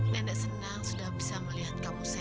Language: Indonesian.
nenek senang sudah bisa melihat kamu sehat